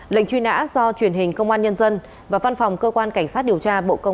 lệnh truy nã do truyền hình công an nhân dân và văn phòng cơ quan cảnh sát điều tra bộ công an phối hợp thực hiện